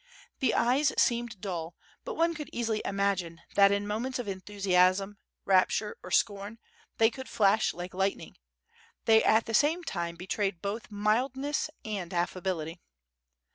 The eyes seemed dull, but one could easily imagine that in moments of enthusiasm, rapture, or scorn, they could flash like lightning; they at the same time betrayed both mildness and affability.